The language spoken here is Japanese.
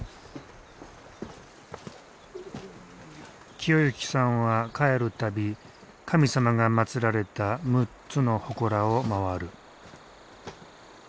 清幸さんは帰る度神様がまつられた６つのほこらを回る。